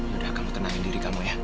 udah kamu tenangin diri kamu ya